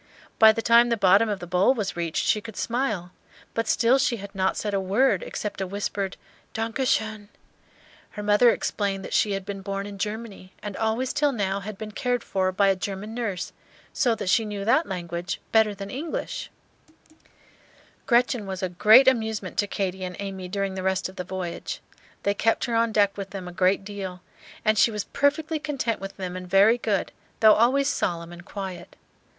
By the time the bottom of the bowl was reached she could smile, but still she said not a word except a whispered Danke schon. Her mother explained that she had been born in Germany, and always till now had been cared for by a German nurse, so that she knew that language better than English. [Illustration: Katy was feeding Gretchen out of a big bowl full of bread and milk.] Gretchen was a great amusement to Katy and Amy during the rest of the voyage. They kept her on deck with them a great deal, and she was perfectly content with them and very good, though always solemn and quiet.